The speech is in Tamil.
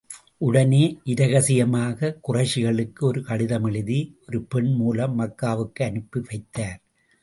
உடனே, இரகசியமாகக் குறைஷிகளுக்கு ஒரு கடிதம் எழுதி, ஒரு பெண் மூலம் மக்காவுக்கு அனுப்பி வைத்தார்.